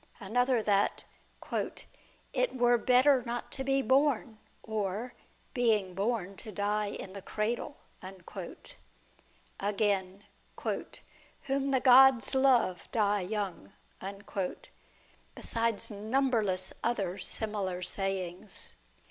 Another that, " it were better not to be born, or, being born, to die in the cradle." Again, "whom the gods love, die young ;" besides number less other similar sayings.